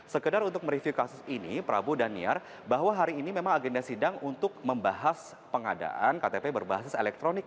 sekedar untuk mereview kasus ini prabu dan niar bahwa hari ini memang agenda sidang untuk membahas pengadaan ktp berbasis elektronik